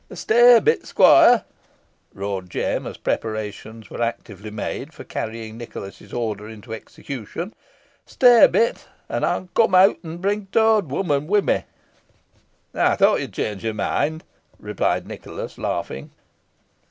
"Stay a bit, squoire," roared Jem, as preparations were actively made for carrying Nicholas's orders into execution. "Stay a bit, an ey'n cum owt, an bring t' owd woman wi' me." "I thought you'd change your mind," replied Nicholas, laughing.